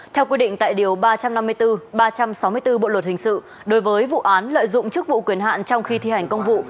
theo quy định tại điều ba trăm năm mươi bốn ba trăm sáu mươi bốn bộ luật hình sự đối với vụ án lợi dụng chức vụ quyền hạn trong khi thi hành công vụ